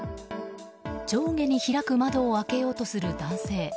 上下に開く窓を開けようとする男性。